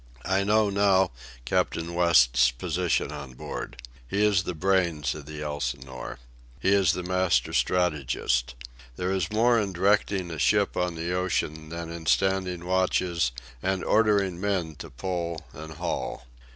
I know, now, Captain West's position on board. He is the brains of the Elsinore. He is the master strategist. There is more in directing a ship on the ocean than in standing watches and ordering men to pull and haul.